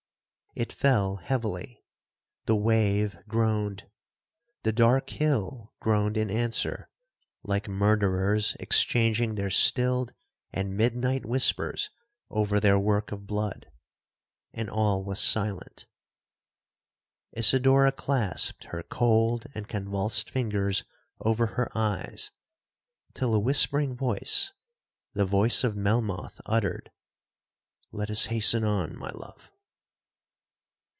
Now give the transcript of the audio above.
—It fell heavily—the wave groaned—the dark hill groaned in answer, like murderers exchanging their stilled and midnight whispers over their work of blood—and all was silent. Isidora clasped her cold and convulsed fingers over her eyes, till a whispering voice, the voice of Melmoth, uttered, 'Let us hasten on, my love.'